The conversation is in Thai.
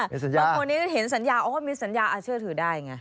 บางคนนี้เห็นสัญญาโอ้มีสัญญาเชื่อถือได้ไง